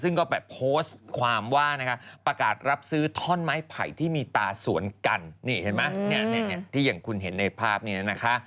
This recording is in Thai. ซึ่งก็แบบโพสต์ความว่านะคะประกาศรับซื้อท่อนไม้ไผ่ที่มีตาสวนกันนี่เห็นไหมที่อย่างคุณเห็นในภาพนี้นะคะ